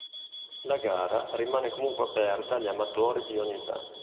La Gara rimane comunque aperta agli amatori di ogni età.